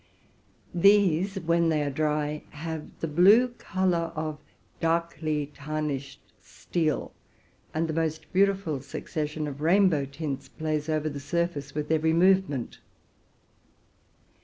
These, when they are dry, have the blue color of darkly tarnished steel; and the most beautiful succession of rainbow tints plays over the sur face with every movement.